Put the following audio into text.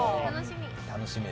楽しみ。